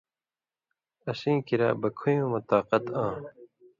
اسیں کریا بَکُھویُوں مہ طاقت آں